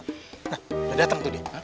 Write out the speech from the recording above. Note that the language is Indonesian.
udah datang tuh dia